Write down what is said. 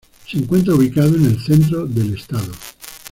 Se encuentra ubicado en el centro del estado.